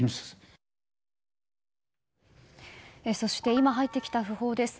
今入ってきた訃報です。